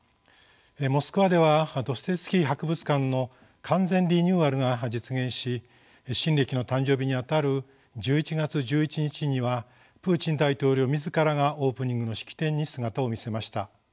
モスクワではドストエフスキー博物館の完全リニューアルが実現し新暦の誕生日にあたる１１月１１日にはプーチン大統領自らがオープニングの式典に姿を見せました。